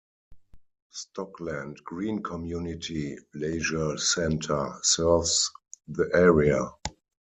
Stockland Green Community Leisure Centre serves the area.